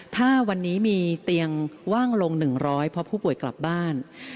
ถ้าวันนี้มีเตียงว่างลง๑๐๐เพราะผู้ป่วยกลับบ้าน